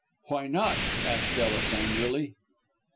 "Why not?" asked Ellis, angrily.